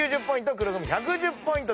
黒組１１０ポイント。